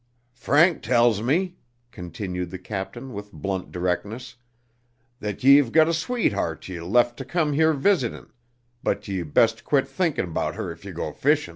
"Frank tells me," continued the captain with blunt directness, "that ye have got a sweetheart ye left to come here visitin', but ye best quit thinkin' 'bout her if ye go fishin'."